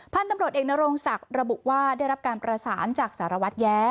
ตำรวจเอกนโรงศักดิ์ระบุว่าได้รับการประสานจากสารวัตรแย้